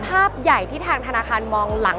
ภาพใหญ่ที่ทางธนาคารมองหลัง